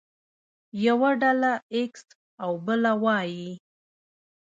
يوه ډله ايکس او بله وايي.